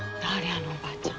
あのおばちゃん。